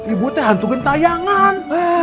ibu teh hantu gentayangan